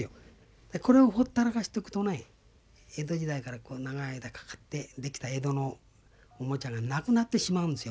これをほったらかしとくとね江戸時代から長い間かかって出来た江戸のおもちゃがなくなってしまうんですよ。